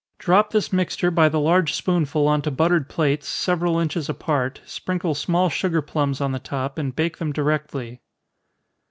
Drop this mixture by the large spoonful on to buttered plates, several inches apart, sprinkle small sugar plums on the top, and bake them directly.